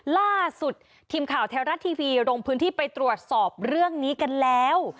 ล่าสุดทีมข่าวแท้รัฐทีวีลงพื้นที่ไปตรวจสอบเรื่องนี้กันแล้ว